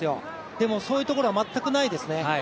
でもそういうところは全くないですね。